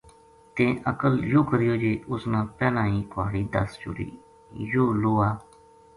تیں عقل یوہ کریو جے اس نا پہلاں ہی کہاڑی دس چھُڑی یوہ لوہا